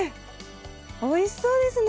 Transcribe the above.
おいしそうですね。